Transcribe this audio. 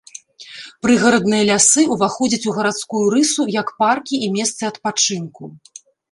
Прыгарадныя лясы ўваходзяць у гарадскую рысу як паркі і месцы адпачынку.